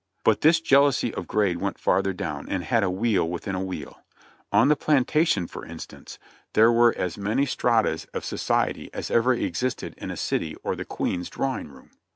But this jealousy of grade went farther down, and had a wheel within a wheel. On the plantation, for instance, there were as THE FAT AND LEAN OE A SOLDIER S LIFE 1 15 many stratas of society as ever existed in a city or the Queen's drawing room.